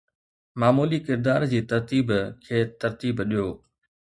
معمولي ڪردار جي ترتيب کي ترتيب ڏيو